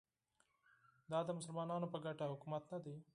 دا د مسلمانانو په ګټه حکومت نه دی